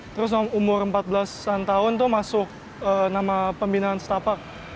terus umur empat belas an tahun itu masuk nama pembinaan setapak